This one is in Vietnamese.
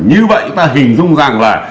như vậy ta hình dung rằng là